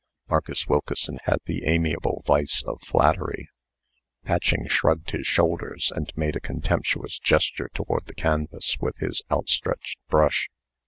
Marcus Wilkeson had the amiable vice of flattery. Patching shrugged his shoulders, and made a contemptuous gesture toward the canvas with his outstretched brush.